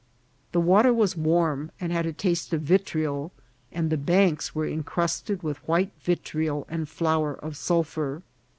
The water was warm, and had a taste of vitriol, and the banks were incrusted with white vitriol and flour of sulphur.